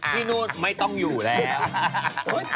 ไปจนถึง๓ทุ่ม๕๐น